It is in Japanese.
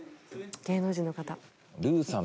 芸能人の方。